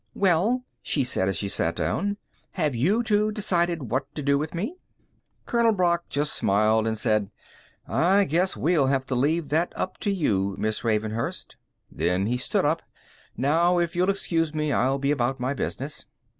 "Well," she said as she sat down, "have you two decided what to do with me?" Colonel Brock just smiled and said: "I guess we'll have to leave that up to you, Miss Ravenhurst." Then he stood up. "Now, if you'll excuse me, I'll be about my business."